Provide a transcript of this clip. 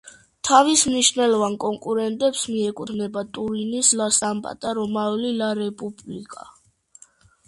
თავის მნიშვნელოვან კონკურენტებს მიეკუთვნება ტურინის „ლა სტამპა“ და რომაული „ლა რეპუბლიკა“.